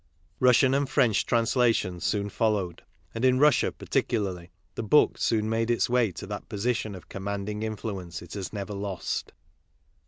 Russian and French translations soon followed; and in Russia, particularly, the book soon made its way to that position of commanding influence it has never lost.